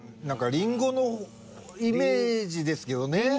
何かりんごのイメージですけどね。